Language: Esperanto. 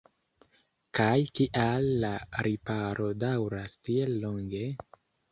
Kaj kial la riparo daŭras tiel longe?